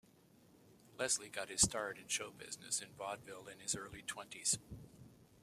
Leslie got his start in show business in vaudeville in his early twenties.